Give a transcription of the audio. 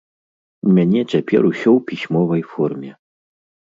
У мяне цяпер усё ў пісьмовай форме.